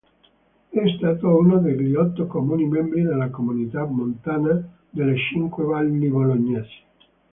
È stato uno degli otto comuni membri della Comunità montana delle cinque valli bolognesi.